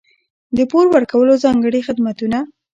د پور ورکولو ځانګړي خدمتونه.